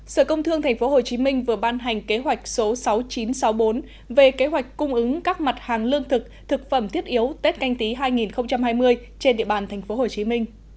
sở công thương tp hcm vừa ban hành kế hoạch số sáu nghìn chín trăm sáu mươi bốn về kế hoạch cung ứng các mặt hàng lương thực thực phẩm thiết yếu tết canh tí hai nghìn hai mươi trên địa bàn tp hcm